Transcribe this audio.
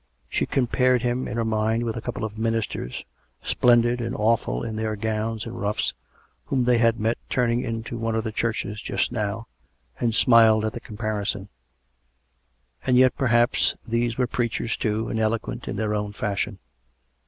She compared him in her mind with a couple of ministers, splendid and awful in their gowns and ruffs, whom they had met turning into one of the churches just now, and smiled at the comparison; and yet perhaps these were preachers too, and eloquent in their own fashion.